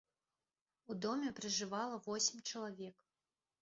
У доме пражывала восем чалавек.